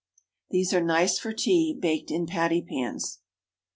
These are nice for tea, baked in pattypans.